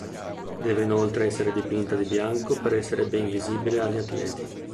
Deve inoltre essere dipinta di bianco per essere ben visibile agli atleti.